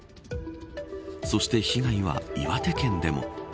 そして被害は岩手県でも。